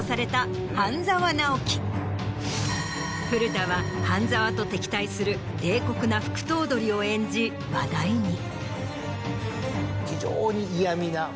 古田は半沢と敵対する冷酷な副頭取を演じ話題に。